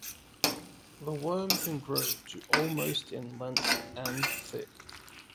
The worm can grow to almost in length and thick.